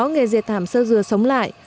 nghề dệt thảm sơ dừa sống lại